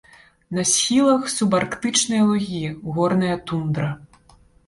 На схілах субарктычныя лугі, горная тундра.